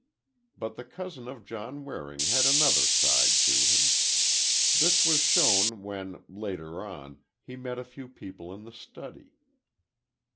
But the cousin of John Waring had another side to him. This was shown when, later on, he met a few people in the study.